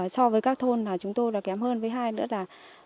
so với các thôn chúng tôi là kém hơn với hai nữa là